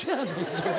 それ。